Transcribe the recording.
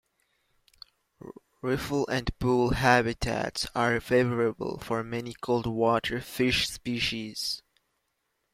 Riffle and pool habitats are favorable for many cold water fish species.